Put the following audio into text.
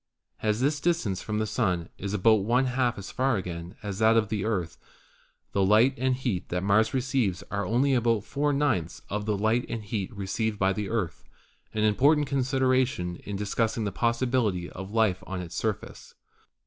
As this distance from the Sun is about one half as far again as that of the Earth, the light and heat that Mars receives are only about 4 / 9 of the light and heat received by the Earth, an important consideration in discussing the possibility of life on its surface.